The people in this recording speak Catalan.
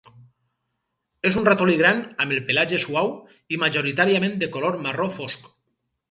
És un ratolí gran amb el pelatge suau i majoritàriament de color marró fosc.